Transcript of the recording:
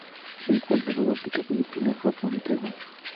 Se encuentran en Sudáfrica, Filipinas, Japón y Taiwán.